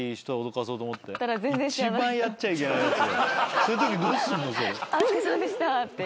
そういうときどうすんの？